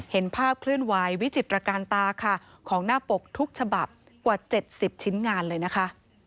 เห็นภาพเคลื่อนไหววิจิตรการตาค่ะของหน้าปกทุกฉบับกว่า๗๐ชิ้นงานเลยนะคะ